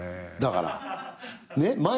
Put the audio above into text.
だからねっ。